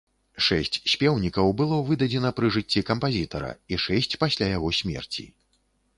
Шэсць спеўнікаў было выдадзена пры жыцці кампазітара, і шэсць пасля яго смерці.